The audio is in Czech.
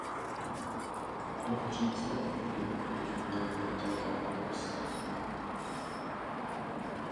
Hovořím zde o Dunaji, protože volně protéká Bavorskem.